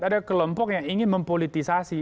ada kelompok yang ingin mempolitisasi